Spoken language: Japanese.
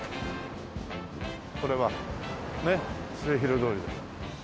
これはねっ末広通りです。